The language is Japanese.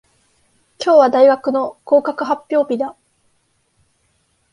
今日は大学の合格発表日だ。